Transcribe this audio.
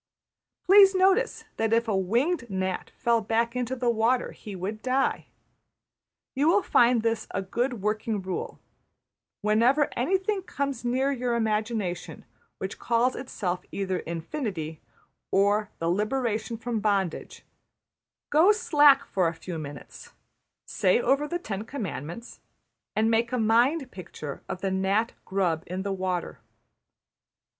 \end{equation*} Please notice that if a winged gnat fell back into the water he would die. You will find this a good working rule: Whenever anything comes near your imagination which calls itself either ``Infinity'' or ``The Liberation from Bondage,'' go slack for a few minutes; say over the Ten Commandments; and make a mind picture of the gnat grub in the water.